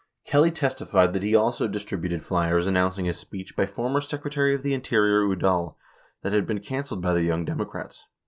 Kelly testified that he also distributed flyers announcing a speech by former Secretary of the Interior Udall that had been canceled by the Young Democrats.